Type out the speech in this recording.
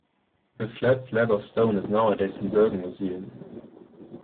The flat slab of stone is nowadays in Bergen Museum.